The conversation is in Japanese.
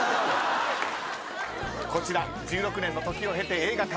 こちら１６年の時を経て映画化。